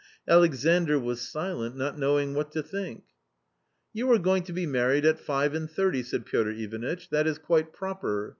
Alexandr was silent, not knowing what to think. " You are going to be married at five and thirty ," said Piotr Ivanitch, " that is quite proper.